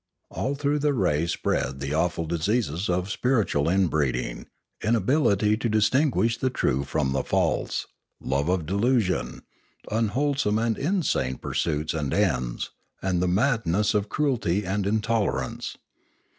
All through the race spread the awful Inspiration 435 diseases of spiritual inbreeding, inability to distinguish the true from the false, love of delusion, unwholesome and insane pursuits and ends, and the madness of cruelty and intolerance.